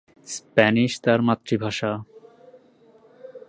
Spanish তাঁর মাতৃভাষা।